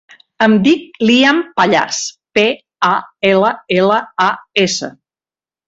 Em dic Liam Pallas: pe, a, ela, ela, a, essa.